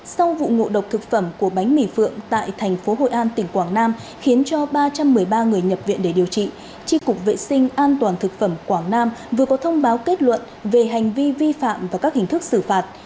sau vụ ngộ độc thực phẩm của bánh mì phượng tại thành phố hội an tỉnh quảng nam khiến cho ba trăm một mươi ba người nhập viện để điều trị tri cục vệ sinh an toàn thực phẩm quảng nam vừa có thông báo kết luận về hành vi vi phạm và các hình thức xử phạt